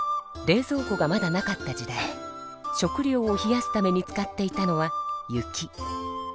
冷ぞう庫がまだなかった時代食料を冷やすために使っていたのは雪。